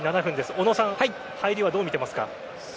小野さん入りはどう見ていますか？